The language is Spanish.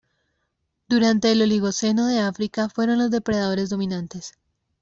Durante el Oligoceno de África, fueron los depredadores dominantes.